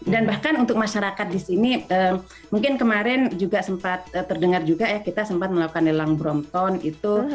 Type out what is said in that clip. dan bahkan untuk masyarakat di sini mungkin kemarin juga sempat terdengar juga ya kita sempat melakukan nelang brompton itu